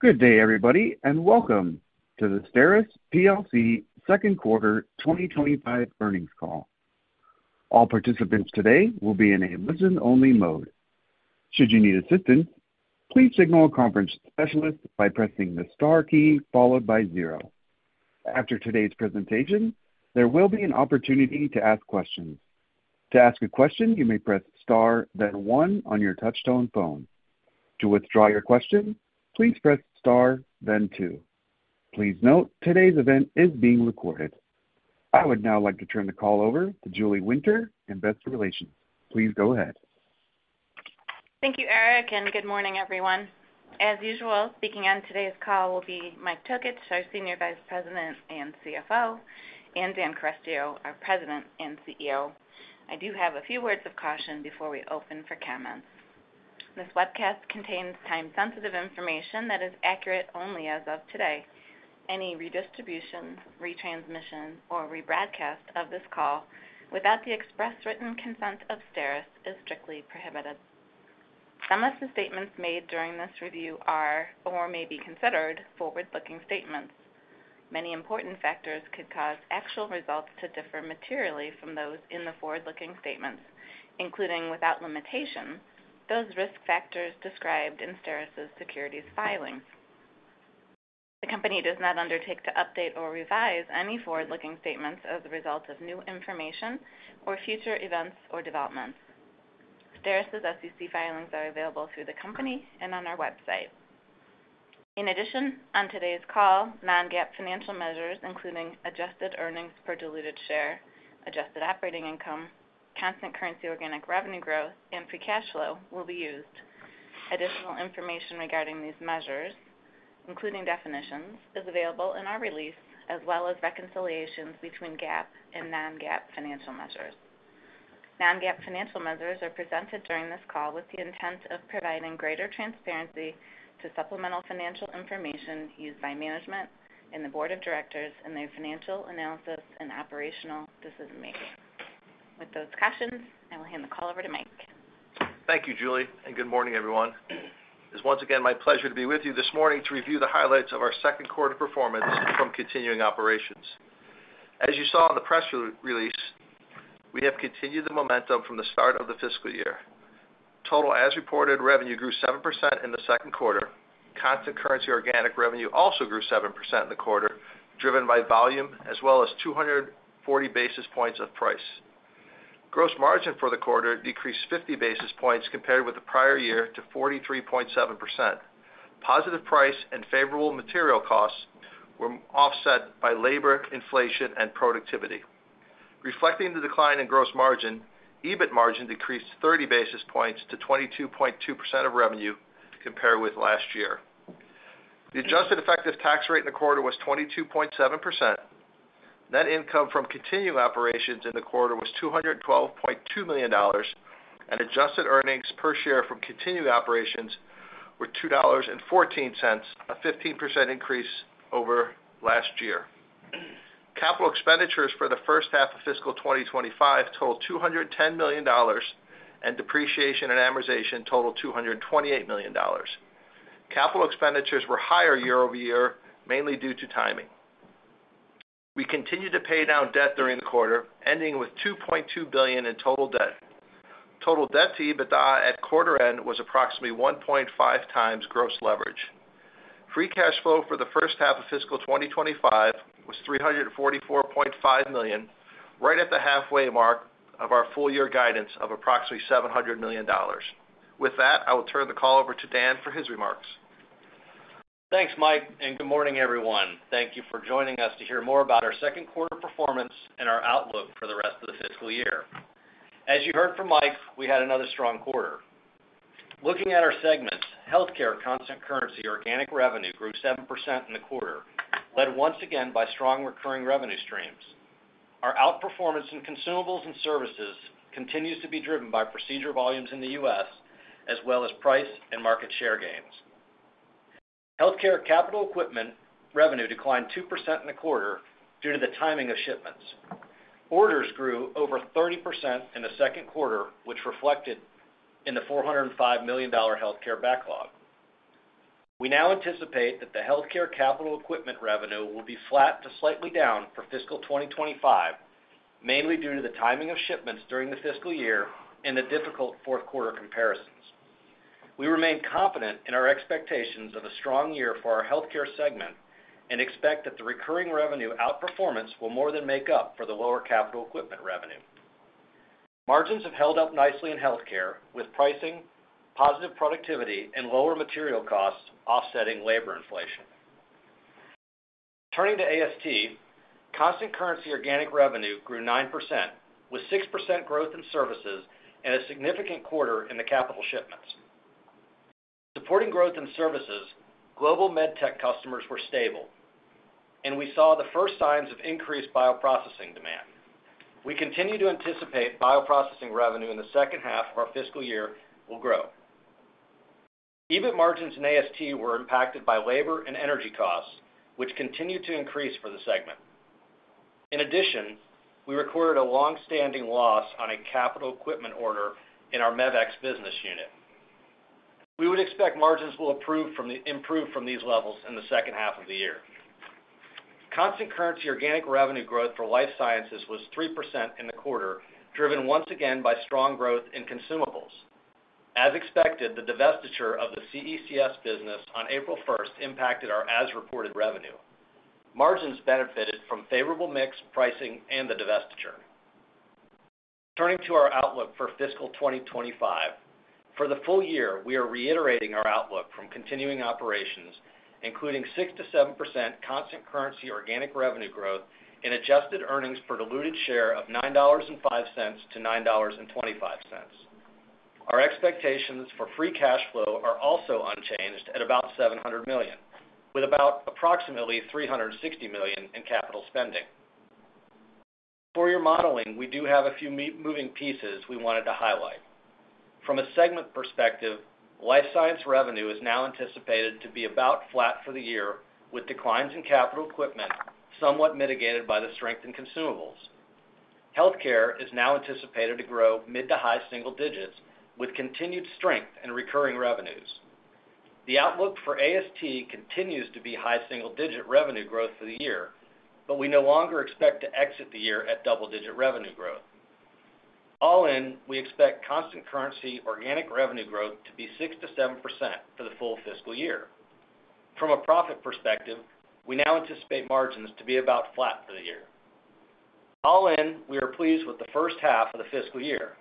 Good day, everybody, and welcome to the STERIS PLC second quarter 2025 earnings call. All participants today will be in a listen-only mode. Should you need assistance, please signal a conference specialist by pressing the star key followed by zero. After today's presentation, there will be an opportunity to ask questions. To ask a question, you may press star, then one on your touchtone phone. To withdraw your question, please press star, then two. Please note today's event is being recorded. I would now like to turn the call over to Julie Winter, Investor Relations. Please go ahead. Thank you, Eric, and good morning, everyone. As usual, speaking on today's call will be Mike Tokich, our Senior Vice President and CFO, and Dan Carestio, our President and CEO. I do have a few words of caution before we open for comments. This webcast contains time-sensitive information that is accurate only as of today. Any redistribution, retransmission, or rebroadcast of this call without the express written consent of STERIS is strictly prohibited. Some of the statements made during this review are or may be considered forward-looking statements. Many important factors could cause actual results to differ materially from those in the forward-looking statements, including without limitation, those risk factors described in STERIS's securities filings. The company does not undertake to update or revise any forward-looking statements as a result of new information or future events or developments. STERIS's SEC filings are available through the company and on our website. In addition, on today's call, non-GAAP financial measures, including Adjusted Earnings Per Diluted Share, adjusted operating income, Constant Currency Organic Revenue Growth, and Free Cash Flow, will be used. Additional information regarding these measures, including definitions, is available in our release, as well as reconciliations between GAAP and non-GAAP financial measures. Non-GAAP financial measures are presented during this call with the intent of providing greater transparency to supplemental financial information used by management and the board of directors in their financial analysis and operational decision-making. With those cautions, I will hand the call over to Mike. Thank you, Julie, and good morning, everyone. It's once again my pleasure to be with you this morning to review the highlights of our second quarter performance from continuing operations. As you saw in the press release, we have continued the momentum from the start of the fiscal year. Total as reported revenue grew 7% in the second quarter. Constant currency organic revenue also grew 7% in the quarter, driven by volume as well as 240 basis points of price. Gross margin for the quarter decreased 50 basis points compared with the prior-year to 43.7%. Positive price and favorable material costs were offset by labor, inflation, and productivity. Reflecting the decline in gross margin, EBIT margin decreased 30 basis points to 22.2% of revenue compared with last year. The adjusted effective tax rate in the quarter was 22.7%. Net income from continuing operations in the quarter was $212.2 million, and adjusted earnings per share from continuing operations were $2.14, a 15% increase over last year. Capital expenditures for the first half of fiscal 2025 totaled $210 million, and depreciation and amortization totaled $228 million. Capital expenditures were higher year-over-year, mainly due to timing. We continued to pay down debt during the quarter, ending with $2.2 billion in total debt. Total debt to EBITDA at quarter end was approximately 1.5x gross leverage. Free cash flow for the first half of fiscal 2025 was $344.5 million, right at the halfway mark of our full-year guidance of approximately $700 million. With that, I will turn the call over to Dan for his remarks. Thanks, Mike, and good morning, everyone. Thank you for joining us to hear more about our second quarter performance and our outlook for the rest of the fiscal year. As you heard from Mike, we had another strong quarter. Looking at our segments, healthcare, constant currency, organic revenue grew 7% in the quarter, led once again by strong recurring revenue streams. Our outperformance in consumables and services continues to be driven by procedure volumes in the U.S., as well as price and market share gains. Healthcare capital equipment revenue declined 2% in the quarter due to the timing of shipments. Orders grew over 30% in the second quarter, which reflected in the $405 million healthcare backlog. We now anticipate that the healthcare capital equipment revenue will be flat to slightly down for fiscal 2025, mainly due to the timing of shipments during the fiscal year and the difficult fourth quarter comparisons. We remain confident in our expectations of a strong year for our healthcare segment and expect that the recurring revenue outperformance will more than make up for the lower capital equipment revenue. Margins have held up nicely in healthcare, with pricing, positive productivity, and lower material costs offsetting labor inflation. Turning to AST, constant currency organic revenue grew 9%, with 6% growth in services and a significant quarter in the capital shipments. Supporting growth in services, global MedTech customers were stable, and we saw the first signs of increased bioprocessing demand. We continue to anticipate bioprocessing revenue in the second half of our fiscal year will grow. EBIT margins in AST were impacted by labor and energy costs, which continued to increase for the segment. In addition, we recorded a long-standing loss on a capital equipment order in our Mevex business unit. We would expect margins will improve from these levels in the second half of the year. Constant currency organic revenue growth for life sciences was 3% in the quarter, driven once again by strong growth in consumables. As expected, the divestiture of the CECS business on April 1st impacted our as-reported revenue. Margins benefited from favorable mix pricing and the divestiture. Turning to our outlook for fiscal 2025, for the full year, we are reiterating our outlook from continuing operations, including 6%-7% constant currency organic revenue growth and adjusted earnings per diluted share of $9.05-$9.25. Our expectations for free cash flow are also unchanged at about $700 million, with about approximately $360 million in capital spending. For your modeling, we do have a few moving pieces we wanted to highlight. From a segment perspective, life science revenue is now anticipated to be about flat for the year, with declines in capital equipment somewhat mitigated by the strength in consumables. Healthcare is now anticipated to grow mid to high single digits, with continued strength and recurring revenues. The outlook for AST continues to be high single-digit revenue growth for the year, but we no longer expect to exit the year at double-digit revenue growth. All in, we expect constant currency organic revenue growth to be 6%-7% for the full fiscal year. From a profit perspective, we now anticipate margins to be about flat for the year. All in, we are pleased with the first half of the fiscal year.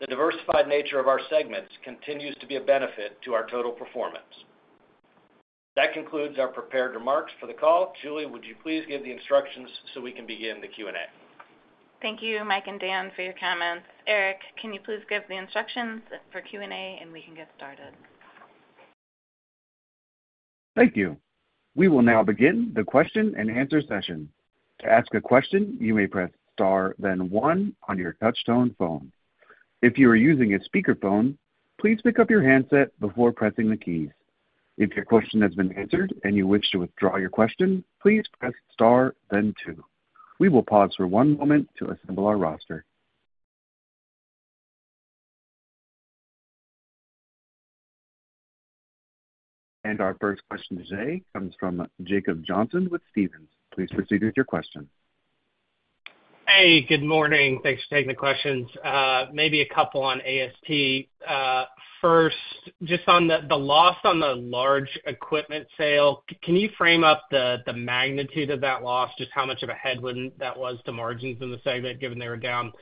The diversified nature of our segments continues to be a benefit to our total performance. That concludes our prepared remarks for the call. Julie, would you please give the instructions so we can begin the Q&A? Thank you, Mike and Dan, for your comments. Eric, can you please give the instructions for Q&A, and we can get started? Thank you. We will now begin the question and answer session. To ask a question, you may press star, then one on your touch-tone phone. If you are using a speakerphone, please pick up your handset before pressing the keys. If your question has been answered and you wish to withdraw your question, please press star, then two. We will pause for one moment to assemble our roster. And our first question today comes from Jacob Johnson with Stephens. Please proceed with your question. Hey, good morning. Thanks for taking the questions. Maybe a couple on AST. First, just on the loss on the large equipment sale, can you frame up the magnitude of that loss, just how much of a headwind that was to margins in the segment, given they were down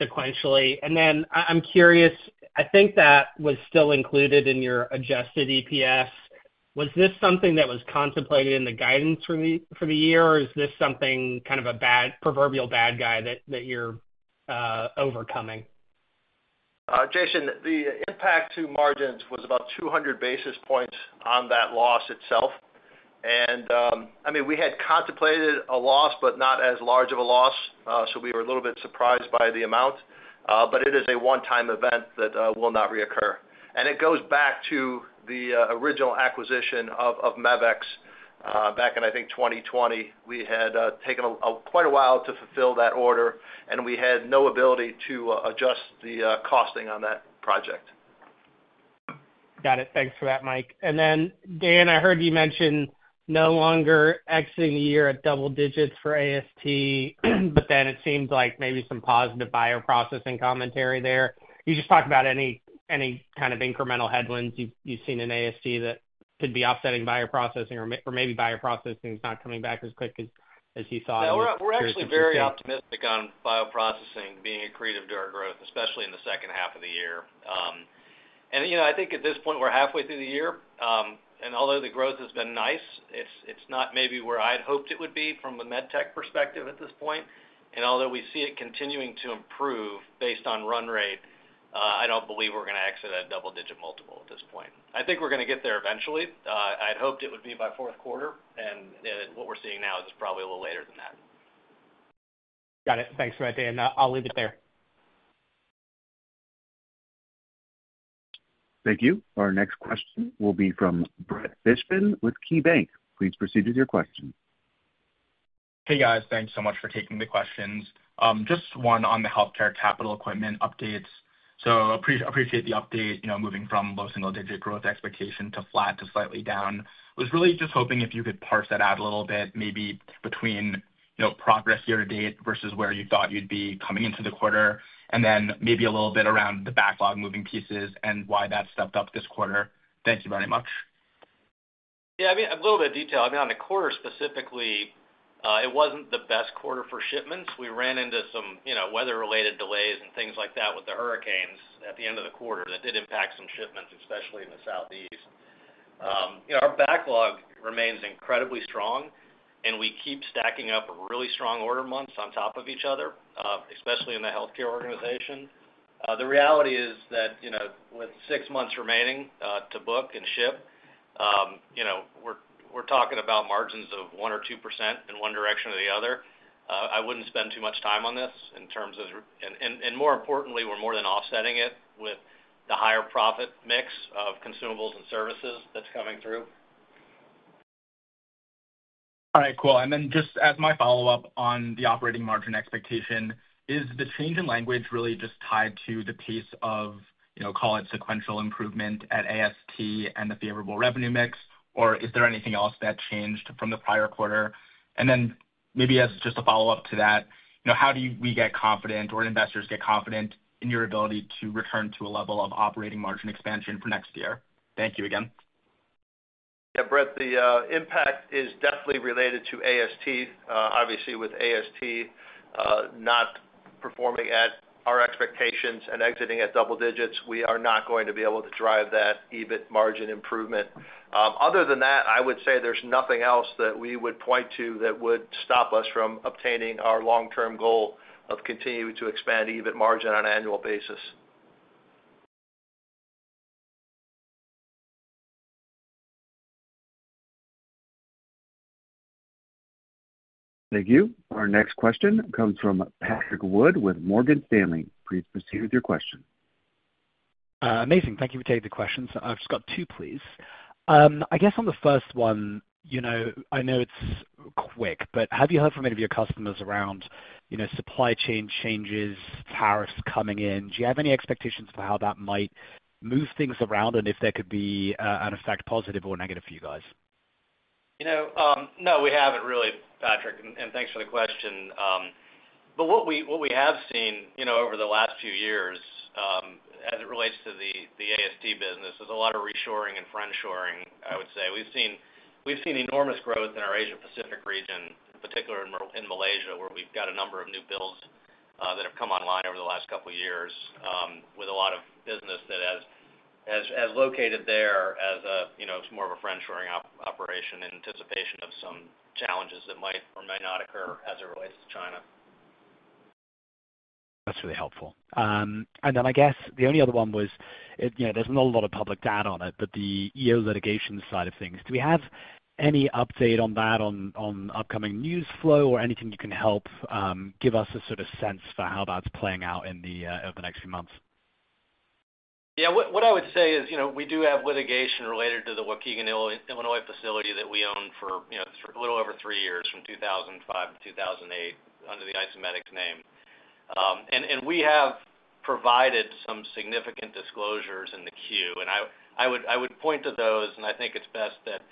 sequentially? And then I'm curious, I think that was still included in your adjusted EPS. Was this something that was contemplated in the guidance for the year, or is this something kind of a bad proverbial bad guy that you're overcoming? Jason, the impact to margins was about 200 basis points on that loss itself. I mean, we had contemplated a loss, but not as large of a loss, so we were a little bit surprised by the amount. But it is a one-time event that will not reoccur. It goes back to the original acquisition of Mevex back in, I think, 2020. We had taken quite a while to fulfill that order, and we had no ability to adjust the costing on that project. Got it. Thanks for that, Mike. And then, Dan, I heard you mention no longer exiting the year at double digits for AST, but then it seems like maybe some positive bioprocessing commentary there. You just talked about any kind of incremental headwinds you've seen in AST that could be offsetting bioprocessing, or maybe bioprocessing is not coming back as quick as you thought? Yeah, we're actually very optimistic on bioprocessing being a key driver to our growth, especially in the second half of the year. And I think at this point, we're halfway through the year. And although the growth has been nice, it's not maybe where I'd hoped it would be from a MedTech perspective at this point. And although we see it continuing to improve based on run rate, I don't believe we're going to exit at a double-digit multiple at this point. I think we're going to get there eventually. I'd hoped it would be by fourth quarter, and what we're seeing now is probably a little later than that. Got it. Thanks for that, Dan. I'll leave it there. Thank you. Our next question will be from Brett Fishman with KeyBanc. Please proceed with your question. Hey, guys. Thanks so much for taking the questions. Just one on the healthcare capital equipment updates. So I appreciate the update moving from low single-digit growth expectation to flat to slightly down. I was really just hoping if you could parse that out a little bit, maybe between progress year to date versus where you thought you'd be coming into the quarter, and then maybe a little bit around the backlog moving pieces and why that stepped up this quarter. Thank you very much. Yeah, I mean, a little bit of detail. I mean, on the quarter specifically, it wasn't the best quarter for shipments. We ran into some weather-related delays and things like that with the hurricanes at the end of the quarter that did impact some shipments, especially in the Southeast. Our backlog remains incredibly strong, and we keep stacking up really strong order months on top of each other, especially in the healthcare organization. The reality is that with six months remaining to book and ship, we're talking about margins of 1% or 2% in one direction or the other. I wouldn't spend too much time on this in terms of, and more importantly, we're more than offsetting it with the higher profit mix of consumables and services that's coming through. All right, cool. And then just as my follow-up on the operating margin expectation, is the change in language really just tied to the pace of, call it, sequential improvement at AST and the favorable revenue mix, or is there anything else that changed from the prior quarter? And then maybe as just a follow-up to that, how do we get confident or investors get confident in your ability to return to a level of operating margin expansion for next year? Thank you again. Yeah, Brett, the impact is definitely related to AST. Obviously, with AST not performing at our expectations and exiting at double digits, we are not going to be able to drive that EBIT margin improvement. Other than that, I would say there's nothing else that we would point to that would stop us from obtaining our long-term goal of continuing to expand EBIT margin on an annual basis. Thank you. Our next question comes from Patrick Wood with Morgan Stanley. Please proceed with your question. Amazing. Thank you for taking the questions. I've just got two, please. I guess on the first one, I know it's quick, but have you heard from any of your customers around supply chain changes, tariffs coming in? Do you have any expectations for how that might move things around and if there could be an effect positive or negative for you guys? No, we haven't really, Patrick, and thanks for the question, but what we have seen over the last few years as it relates to the AST business is a lot of reshoring and friendshoring, I would say. We've seen enormous growth in our Asia-Pacific region, particularly in Malaysia, where we've got a number of new builds that have come online over the last couple of years with a lot of business that has located there as more of a friendshoring operation in anticipation of some challenges that might or may not occur as it relates to China. That's really helpful, and then I guess the only other one was there's not a lot of public data on it, but the EO litigation side of things. Do we have any update on that, on upcoming news flow or anything you can help give us a sort of sense for how that's playing out over the next few months? Yeah, what I would say is we do have litigation related to the Waukegan, Illinois facility that we own for a little over three years from 2005 to 2008 under the Isomedix name, and we have provided some significant disclosures in the Q. And I would point to those, and I think it's best that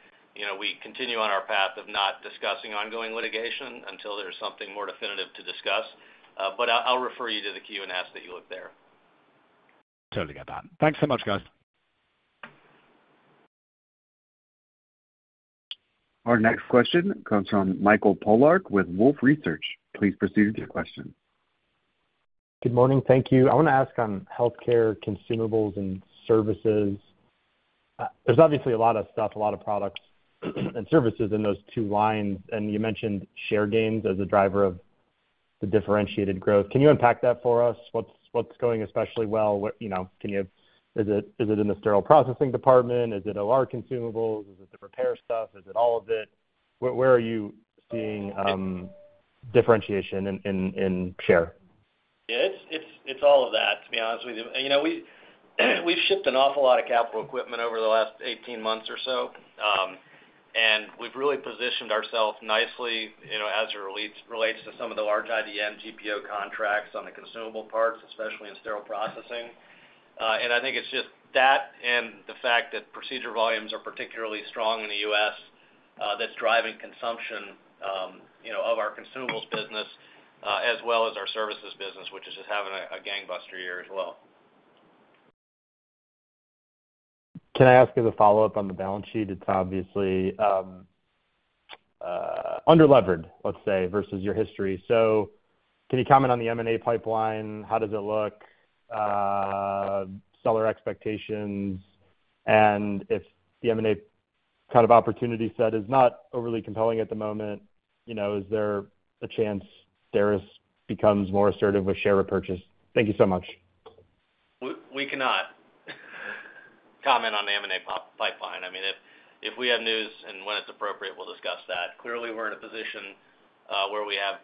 we continue on our path of not discussing ongoing litigation until there's something more definitive to discuss, but I'll refer you to the Q and ask that you look there. Totally get that. Thanks so much, guys. Our next question comes from Michael Polark with Wolfe Research. Please proceed with your question. Good morning. Thank you. I want to ask on healthcare, consumables, and services. There's obviously a lot of stuff, a lot of products and services in those two lines. And you mentioned share gains as a driver of the differentiated growth. Can you unpack that for us? What's going especially well? Is it in the sterile processing department? Is it OR consumables? Is it the repair stuff? Is it all of it? Where are you seeing differentiation in share? Yeah, it's all of that, to be honest with you. We've shipped an awful lot of capital equipment over the last 18 months or so, and we've really positioned ourselves nicely as it relates to some of the large IDN GPO contracts on the consumable parts, especially in sterile processing. And I think it's just that and the fact that procedure volumes are particularly strong in the U.S. that's driving consumption of our consumables business as well as our services business, which is just having a gangbuster year as well. Can I ask as a follow-up on the balance sheet? It's obviously underlevered, let's say, versus your history. So can you comment on the M&A pipeline? How does it look? Seller expectations? And if the M&A kind of opportunity set is not overly compelling at the moment, is there a chance STERIS becomes more assertive with share repurchase? Thank you so much. We cannot comment on the M&A pipeline. I mean, if we have news and when it's appropriate, we'll discuss that. Clearly, we're in a position where we have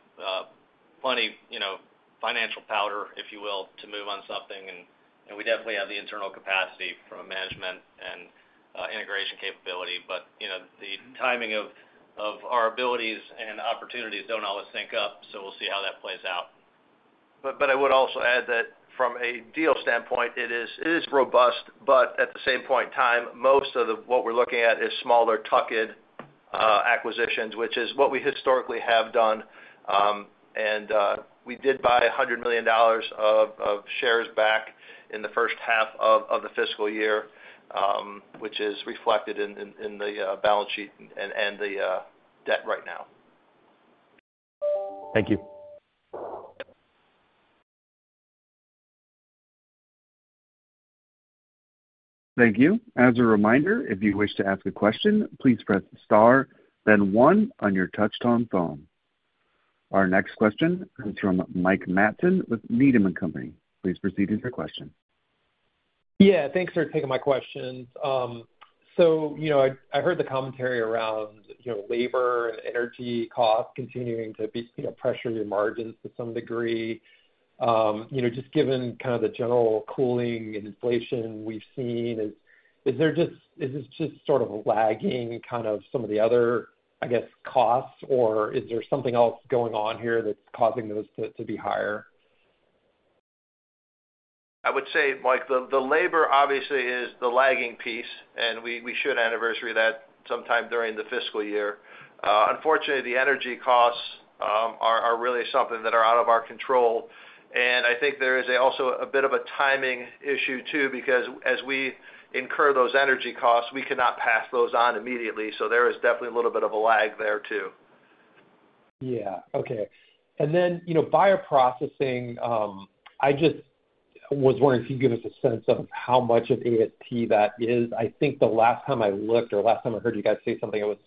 plenty of financial powder, if you will, to move on something. And we definitely have the internal capacity from a management and integration capability. But the timing of our abilities and opportunities don't always sync up, so we'll see how that plays out. But I would also add that from a deal standpoint, it is robust, but at the same point in time, most of what we're looking at is smaller tuck-in acquisitions, which is what we historically have done. And we did buy $100 million of shares back in the first half of the fiscal year, which is reflected in the balance sheet and the debt right now. Thank you. Thank you. As a reminder, if you wish to ask a question, please press star, then one on your touch-tone phone. Our next question is from Mike Matson with Needham & Company. Please proceed with your question. Yeah, thanks for taking my questions. So I heard the commentary around labor and energy costs continuing to pressure your margins to some degree. Just given kind of the general cooling and inflation we've seen, is there just sort of a lagging kind of some of the other, I guess, costs, or is there something else going on here that's causing those to be higher? I would say, Mike, the labor obviously is the lagging piece, and we should anniversary that sometime during the fiscal year. Unfortunately, the energy costs are really something that are out of our control, and I think there is also a bit of a timing issue too because as we incur those energy costs, we cannot pass those on immediately, so there is definitely a little bit of a lag there too. Yeah. Okay. And then Bioprocessing, I just was wondering if you'd give us a sense of how much of AST that is. I think the last time I looked or last time I heard you guys say something, it was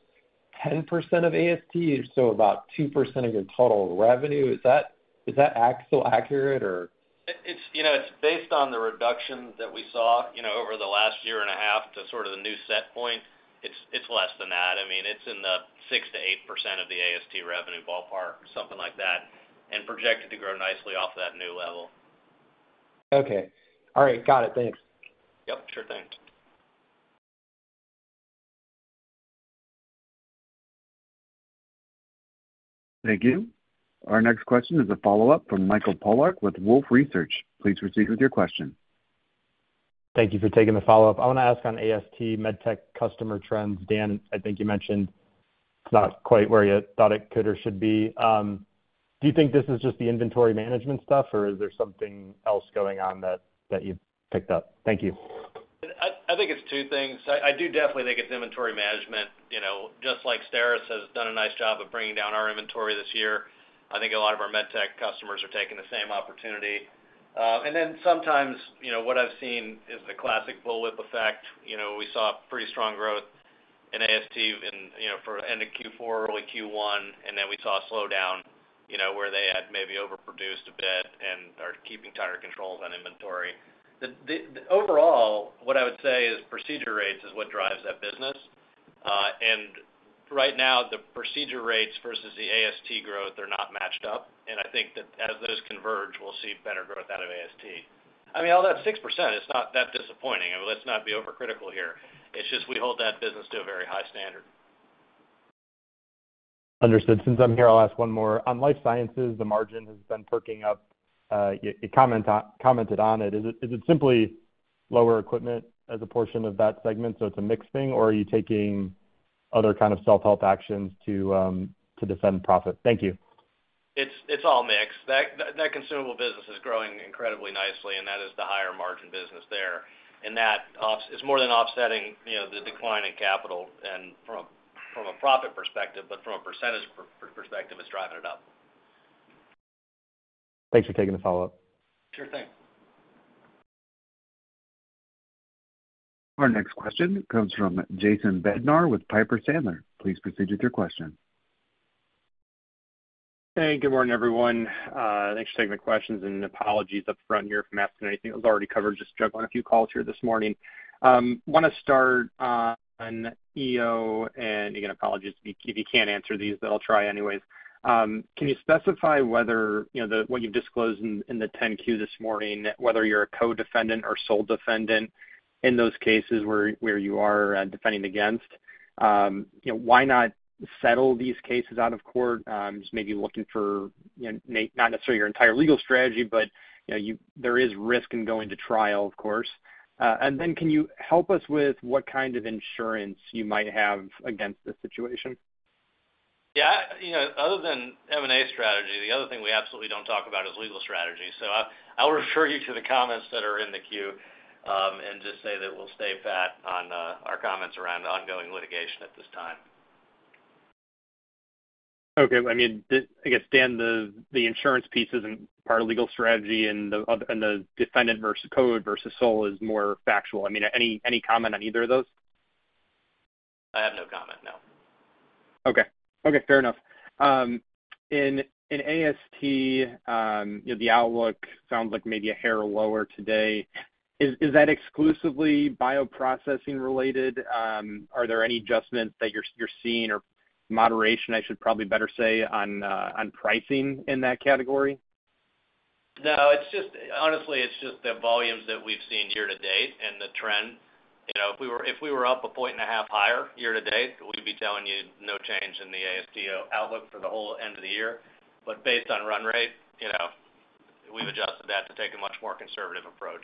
10% of AST, so about 2% of your total revenue. Is that still accurate, or? It's based on the reduction that we saw over the last year and a half to sort of the new set point. It's less than that. I mean, it's in the 6%-8% of the AST revenue ballpark, something like that, and projected to grow nicely off of that new level. Okay. All right. Got it. Thanks. Yep. Sure thing. Thank you. Our next question is a follow-up from Mike Polark with Wolfe Research. Please proceed with your question. Thank you for taking the follow-up. I want to ask on AST MedTech customer trends. Dan, I think you mentioned it's not quite where you thought it could or should be. Do you think this is just the inventory management stuff, or is there something else going on that you've picked up? Thank you. I think it's two things. I do definitely think it's inventory management. Just like STERIS has done a nice job of bringing down our inventory this year, I think a lot of our MedTech customers are taking the same opportunity. And then sometimes what I've seen is the classic bullwhip effect. We saw pretty strong growth in AST for end of Q4, early Q1, and then we saw a slowdown where they had maybe overproduced a bit and are keeping tighter controls on inventory. Overall, what I would say is procedure rates is what drives that business. And right now, the procedure rates versus the AST growth are not matched up. And I think that as those converge, we'll see better growth out of AST. I mean, although that's 6%, it's not that disappointing. Let's not be overcritical here. It's just we hold that business to a very high standard. Understood. Since I'm here, I'll ask one more. On life sciences, the margin has been perking up. You commented on it. Is it simply lower equipment as a portion of that segment? So it's a mixed thing, or are you taking other kind of self-help actions to defend profit? Thank you. It's all mixed. That consumable business is growing incredibly nicely, and that is the higher margin business there, and that is more than offsetting the decline in capital from a profit perspective, but from a percentage perspective, it's driving it up. Thanks for taking the follow-up. Sure thing. Our next question comes from Jason Bednar with Piper Sandler. Please proceed with your question. Hey, good morning, everyone. Thanks for taking the questions and apologies upfront here for asking anything. It was already covered, just juggling a few calls here this morning. Want to start on EO, and again, apologies if you can't answer these, but I'll try anyways. Can you specify what you've disclosed in the 10-Q this morning, whether you're a co-defendant or sole defendant in those cases where you are defending against? Why not settle these cases out of court? Just maybe looking for not necessarily your entire legal strategy, but there is risk in going to trial, of course. And then can you help us with what kind of insurance you might have against this situation? Yeah. Other than M&A strategy, the other thing we absolutely don't talk about is legal strategy. So I'll refer you to the comments that are in the queue and just say that we'll stay pat on our comments around ongoing litigation at this time. Okay. I mean, I guess, Dan, the insurance piece isn't part of legal strategy, and the defendant versus co-defendant versus sole defendant is more factual. I mean, any comment on either of those? I have no comment, no. Okay. Okay. Fair enough. In AST, the outlook sounds like maybe a hair lower today. Is that exclusively bioprocessing related? Are there any adjustments that you're seeing or moderation, I should probably better say, on pricing in that category? No. Honestly, it's just the volumes that we've seen year to date and the trend. If we were up a point and a half higher year to date, we'd be telling you no change in the AST outlook for the whole end of the year. But based on run rate, we've adjusted that to take a much more conservative approach.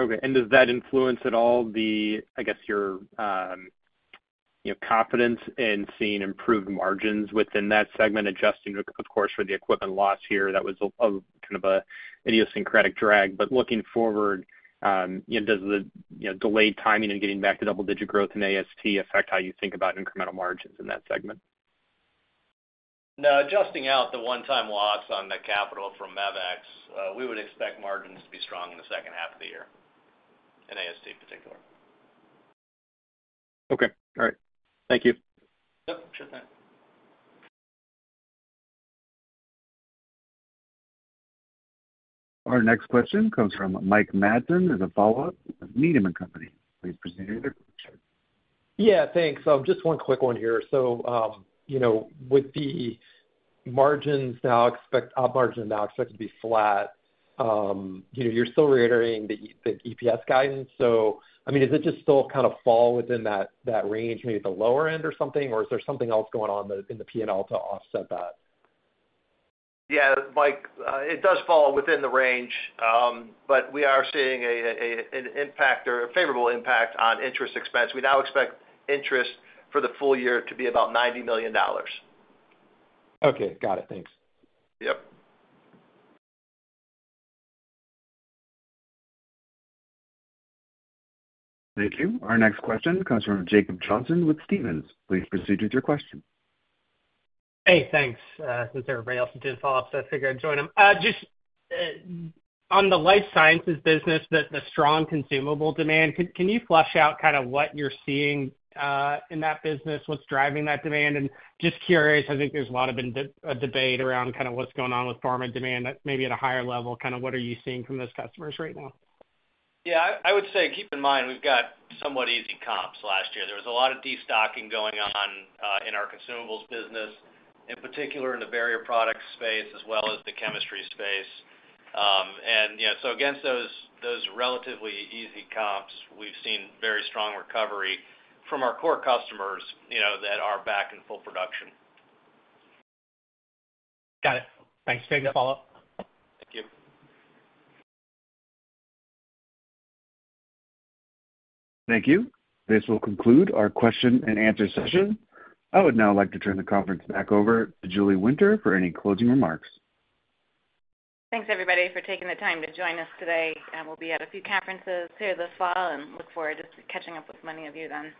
Okay. And does that influence at all, I guess, your confidence in seeing improved margins within that segment, adjusting, of course, for the equipment loss here? That was kind of an idiosyncratic drag. But looking forward, does the delayed timing and getting back to double-digit growth in AST affect how you think about incremental margins in that segment? No. Adjusting out the one-time loss on the capital from Mevex, we would expect margins to be strong in the second half of the year in AST in particular. Okay. All right. Thank you. Yep. Sure thing. Our next question comes from Mike Matson as a follow-up with Needham & Company. Please proceed with your question. Yeah. Thanks. Just one quick one here. So with the margins now expected to be flat, you're still reiterating the EPS guidance. So I mean, does it just still kind of fall within that range, maybe the lower end or something, or is there something else going on in the P&L to offset that? Yeah. Mike, it does fall within the range, but we are seeing an impact or a favorable impact on interest expense. We now expect interest for the full year to be about $90 million. Okay. Got it. Thanks. Yep. Thank you. Our next question comes from Jacob Johnson with Stephens. Please proceed with your question. Hey, thanks. Since everybody else is doing follow-ups, I figured I'd join them. Just on the life sciences business, the strong consumable demand, can you flesh out kind of what you're seeing in that business, what's driving that demand? And just curious, I think there's a lot of debate around kind of what's going on with pharma demand that maybe at a higher level, kind of what are you seeing from those customers right now? Yeah. I would say keep in mind we've got somewhat easy comps last year. There was a lot of destocking going on in our consumables business, in particular in the barrier products space as well as the chemistry space. And so against those relatively easy comps, we've seen very strong recovery from our core customers that are back in full production. Got it. Thanks. Great follow-up. Thank you. Thank you. This will conclude our question and answer session. I would now like to turn the conference back over to Julie Winter for any closing remarks. Thanks, everybody, for taking the time to join us today. We'll be at a few conferences here this fall and look forward to catching up with many of you then.